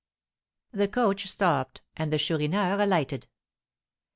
The coach stopped, and the Chourineur alighted.